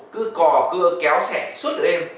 cứ cò cứ kéo sẻ suốt đời em